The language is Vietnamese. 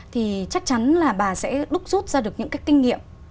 thì chắc chắn là bà sẽ đúc rút ra được những cái kinh nghiệm